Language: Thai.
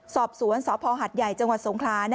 สอบสวนสพหัดใหญ่จังหวัดสงครา